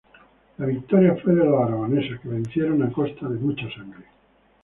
La victoria fue de los aragoneses, que vencieron a costa de mucha sangre.